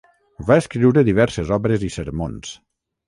Va escriure diverses obres i sermons.